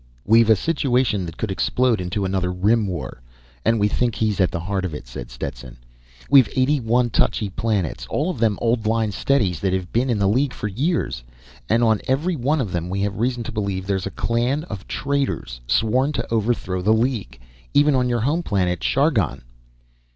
"We've a situation that could explode into another Rim War, and we think he's at the heart of it," said Stetson. "We've eighty one touchy planets, all of them old line steadies that have been in the League for years. And on every one of them we have reason to believe there's a clan of traitors sworn to overthrow the League. Even on your home planet Chargon."